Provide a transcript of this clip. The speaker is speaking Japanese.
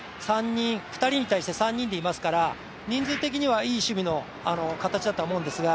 ２人に対して３人でいますから人数的にはいい守備の形だとは思うんですが。